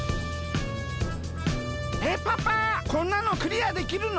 えっパパこんなのクリアできるの？